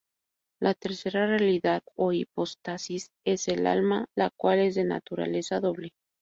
La tercera realidad o hipóstasis es el alma, la cual es de naturaleza doble.